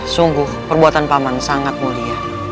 sungguh perbuatan paman sangat mulia